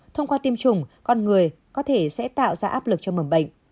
thông qua tiêm chủng con người có thể sẽ tạo ra áp lực cho mầm bệnh